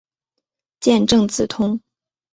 见正字通。